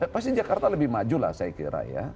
pasti jakarta lebih maju lah saya kira ya